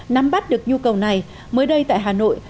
nắm bắt được nhu cầu này mới đây tại hà nội